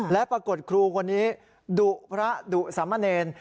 และปรากฏครูคนนี้ดุพระดุสามเณร